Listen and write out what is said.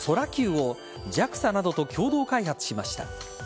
ＳＯＲＡ‐ＱをＪＡＸＡなどと共同開発しました。